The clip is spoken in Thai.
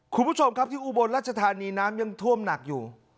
คุณผู้ชมครับที่อุบลรัชธานีน้ำยังท่วมหนักอยู่